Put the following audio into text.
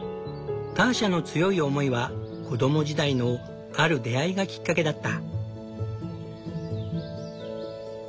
ターシャの強い思いは子供時代のある出会いがきっかけだった。